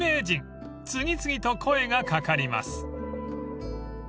［次々と声が掛かります］